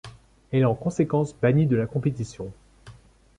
Elle est en conséquence bannie de la compétition.